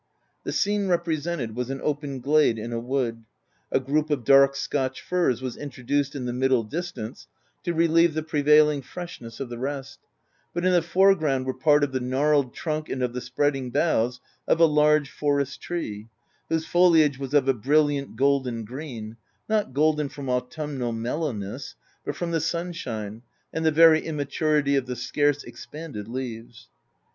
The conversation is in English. The scene represented was an open glade in a wood. A group of dark Scotch firs was introduced in the middle distance to relieve the prevailing freshness of the rest ; but in the foreground, were part of the gnarled trunk and of the spreading boughs of a large forest tree, whose foliage was of a brilliant golden green — not golden from autumnal mellowness, but from the sunshine, and the very immaturity of the scarce expanded leaves.